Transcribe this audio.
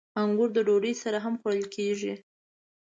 • انګور د ډوډۍ سره هم خوړل کېږي.